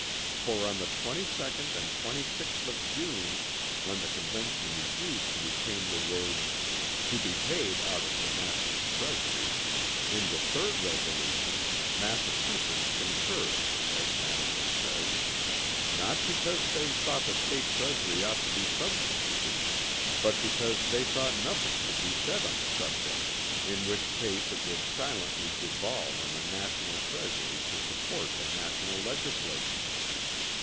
For on the 22d and 26th of June when the Convention refused to retain the words "to be paid out of the National Treasury" in the 3d resolution, "Massachusetts concurred" as Madison says, "not because they thought the State Treasury ought to be substituted; but because they thought nothing should be said on the subject, in which case it wd. silently devolve on the Nat. Treasury to support the National Legislature."